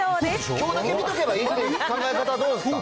きょうだけ見とけばいいという考え方、どうですか？